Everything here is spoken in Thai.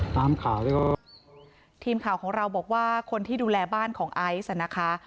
ทีมข่าวของเราบอกว่าคนที่ดูแลบ้านของไอซ์นะคะ